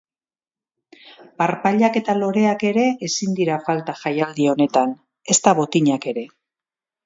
Parpailak eta loreak ere ezin dira falta jaialdi honetan, ezta botinak ere.